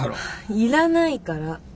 いらないから。